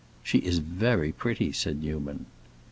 "She is very pretty," said Newman.